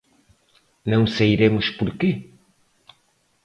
Não sairemos por quê?